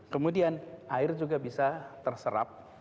kemudian air juga bisa terserap